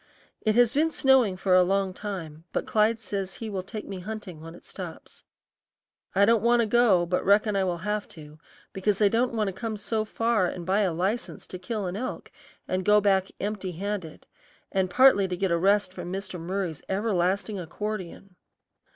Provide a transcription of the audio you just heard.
It has been snowing for a long time, but Clyde says he will take me hunting when it stops. I don't want to go but reckon I will have to, because I don't want to come so far and buy a license to kill an elk and go back empty handed, and partly to get a rest from Mr. Murry's everlasting accordion.